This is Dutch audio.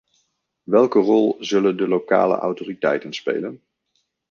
Welke rol zullen de lokale autoriteiten spelen?